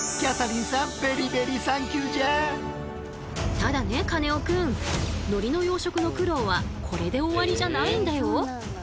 ただねカネオくん海苔の養殖の苦労はこれで終わりじゃないんだよ。